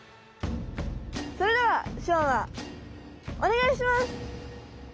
それではしょうまお願いします！